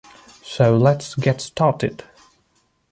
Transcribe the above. So let's get started.